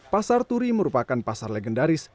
pasar turi merupakan pasar legendaris